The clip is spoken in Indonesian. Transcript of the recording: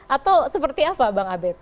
atau seperti apa bang abed